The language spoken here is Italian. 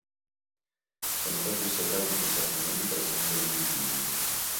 Sono stati osservati combattimenti tra singoli individui.